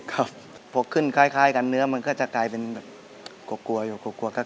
ครับเพราะขึ้นคล้ายกันเนื้อมันก็จะกลายเป็นแบบเกลือกลัวอยู่